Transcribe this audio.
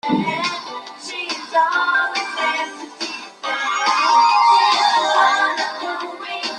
Juana tiene un don sobrenatural: Detectar cuando alguien miente.